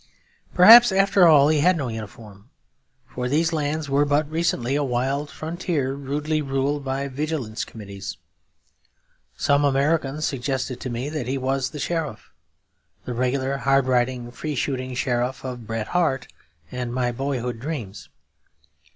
Perhaps after all he had no uniform; for these lands were but recently a wild frontier rudely ruled by vigilance committees. Some Americans suggested to me that he was the Sheriff; the regular hard riding, free shooting Sheriff of Bret Harte and my boyhood's dreams.